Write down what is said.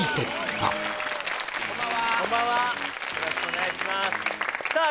よろしくお願いしますさあ